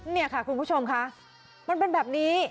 นี่ค่ะคุณผู้ชมค่ะมันเป็นแบบนี้